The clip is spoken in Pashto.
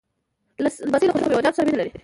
لمسی د خوږو میوهجاتو سره مینه لري.